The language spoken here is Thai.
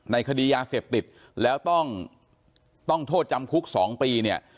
คดียาเสพติดแล้วต้องต้องโทษจำคุก๒ปีเนี่ย